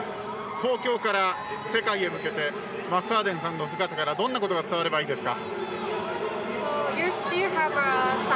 東京から世界へ向けてマクファーデン選手の姿からどんなことが伝わればいいですか。